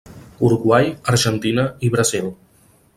Uruguai, Argentina i Brasil.